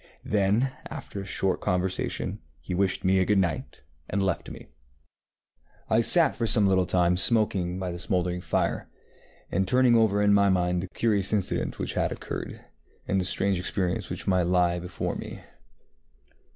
Then, after a short conversation, he wished me good night and left me. I sat for some little time smoking by the smouldering fire, and turning over in my mind the curious incident which had occurred, and the strange experience which might lie before me.